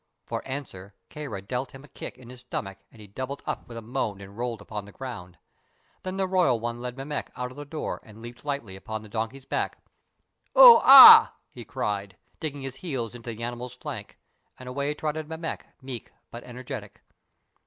For answer Kāra dealt him a kick in his stomach and he doubled up with a moan and rolled upon the ground. Then the royal one led Mammek out of the door and lightly leaped upon the donkey's back. "Oo ah!" he cried, digging his heels into the animal's flanks; and away trotted Mammek, meek but energetic.